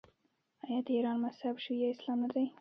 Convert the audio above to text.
آیا د ایران مذهب شیعه اسلام نه دی؟